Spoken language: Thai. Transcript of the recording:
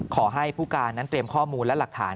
ขอให้ผู้การนั้นเตรียมข้อมูลและหลักฐาน